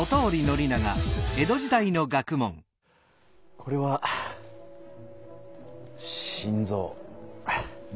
これは心臓。